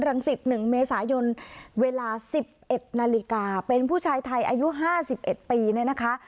รังสิบหนึ่งเมษายนเวลาสิบเอ็ดนาฬิกาเป็นผู้ชายไทยอายุห้าสิบเอ็ดปีเนี่ยนะคะ